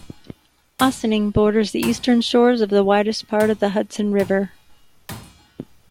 Ossining borders the eastern shores of the widest part of the Hudson River.